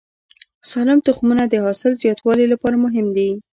سالم تخمونه د حاصل زیاتوالي لپاره مهم دي.